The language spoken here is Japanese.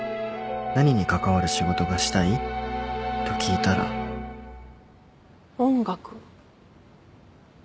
何に関わる仕事がしたい？と聞いたら音楽。